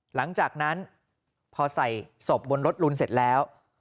หลังจากนั้นพอใส่ศพบนรถลุนเสร็จแล้ว